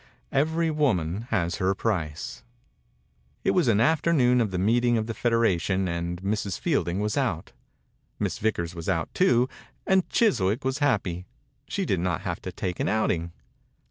Every woman has her price. It was an afternoon of the meeting of the federation and Mrs. Fielding was out. Miss Vickers was out, too, and Chis wick was happy. She did not have to take an outing.